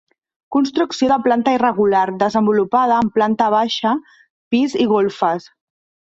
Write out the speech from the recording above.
Construcció de planta irregular desenvolupada en planta baixa, pis i golfes.